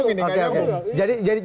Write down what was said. enggak nyambung ini enggak nyambung